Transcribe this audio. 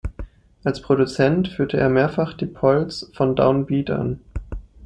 Als Produzent führte er mehrfach die Polls von Down Beat an.